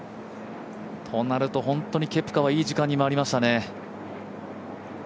となると本当にケプカはいい時間に回りましたね。